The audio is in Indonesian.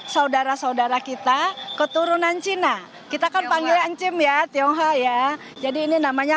saudara saudara kita keturunan cina kita kan panggilan cim ya tionghoa ya jadi ini namanya